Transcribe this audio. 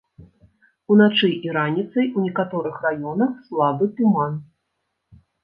Уначы і раніцай у некаторых раёнах слабы туман.